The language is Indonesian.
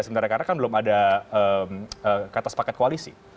karena kan belum ada kata sepaket koalisi